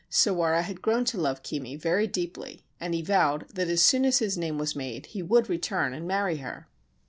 Sawara had grown to love Kimi very deeply, and he vowed that as soon as his name was made he would return and marry her.